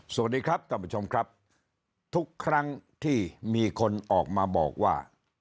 สวัสดีครับท่านผู้ชมครับทุกครั้งที่มีคนออกมาบอกว่า